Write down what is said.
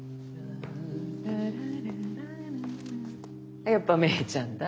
あっやっぱ芽依ちゃんだ。